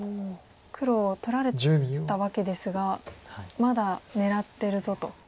黒取られたわけですがまだ狙ってるぞと。